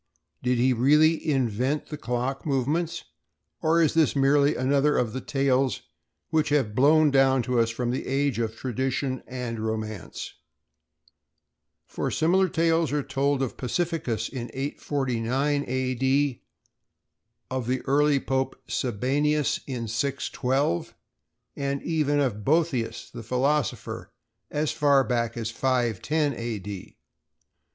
Did he really invent the clock movements, or is this merely another of the tales which have blown down to us from this age of tradition and romance? For similar tales are told of Pacificus in 849 A. D. of the early Pope Sabinianus in 612 and even of Boetheus, the philosopher, as far back as 510 A. D.